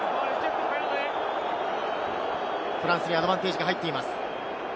フランスにアドバンテージが入っています。